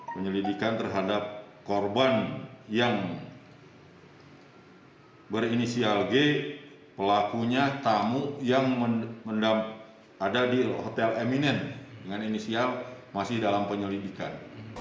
penyelidikan terhadap korban yang berinisial g pelakunya tamu yang ada di hotel eminent dengan inisial masih dalam penyelidikan